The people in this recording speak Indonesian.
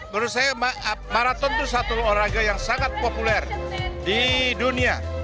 menurut saya marathon itu satu olahraga yang sangat populer di dunia